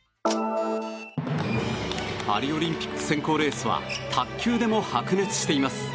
パリオリンピック選考レースは卓球でも白熱しています。